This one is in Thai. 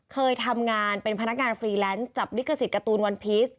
เคยทำงานเป็นพนักงานฟรีแลนซ์จับลิขสิทธิการ์ตูนวันพีช